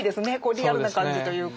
リアルな感じというか。